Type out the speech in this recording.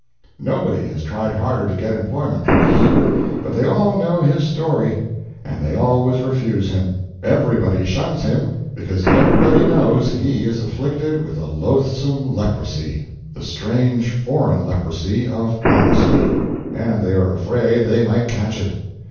Nobody has tried harder to get employment than he, but they all know his story; and they always refuse him. Everybody shuns him because everybody knows he is afflicted with a loathsome leprosy—the strange, foreign leprosy of honesty—and they are afraid they might catch it.